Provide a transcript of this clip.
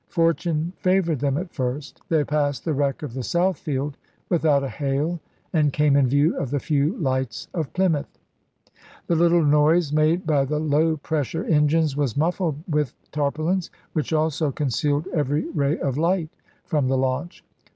Fortune favored them at first ; they passed secretary the wreck of the Southfield without a hail, and Navy! came in view of the few lights of Plymouth. The little noise made by the low pressure engines was muffled with tarpaulins, which also concealed every ray of light from the launch.